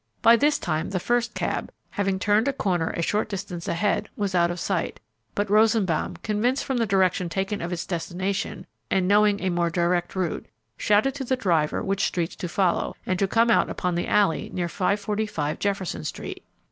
By this time the first cab, having turned a corner a short distance ahead, was out of sight, but Rosenbaum, convinced from the direction taken of its destination, and knowing a more direct route, shouted to the driver what streets to follow, and to come out upon the alley near No. 545 Jefferson Street.